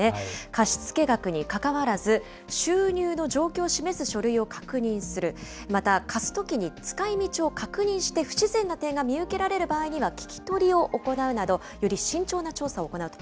貸し付け額にかかわらず、収入の状況を示す書類を確認する、また貸すときに使いみちを確認して不自然な点が見受けられる場合には、聴き取りを行うなど、より慎重な調査を行うと。